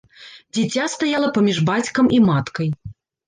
Дзіця стаяла паміж бацькам і маткай.